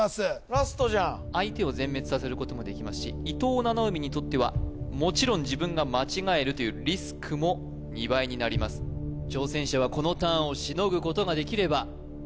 ラストじゃん相手を全滅させることもできますし伊藤七海にとってはもちろん自分が間違えるというリスクも２倍になりますが決まります